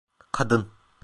Kadın.